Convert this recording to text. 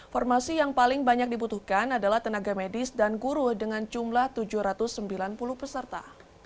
formasi yang paling banyak dibutuhkan adalah tenaga medis dan guru dengan jumlah tujuh ratus sembilan puluh peserta